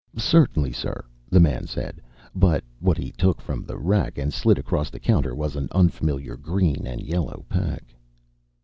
"Certainly, sir," the man said. But what he took from the rack and slid across the counter was an unfamiliar green and yellow pack.